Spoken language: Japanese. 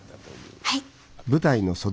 はい。